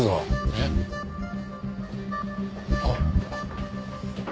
えっ？あっ。